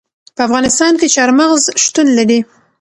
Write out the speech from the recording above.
په افغانستان کې چار مغز شتون لري.